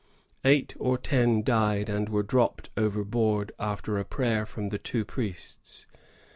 Eight or ten died and were dropped overboard, after a prayer from the two priests.